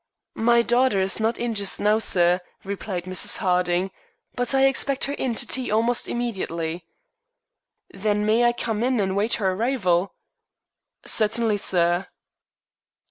"My daughter is not in just now, sir," replied Mrs. Harding, "but I expect her in to tea almost immediately." "Then may I come in and await her arrival?" "Certainly, sir."